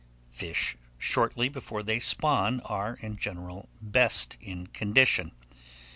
Fish shortly before they spawn are, in general, best in condition.